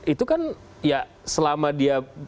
itu kan ya selama dia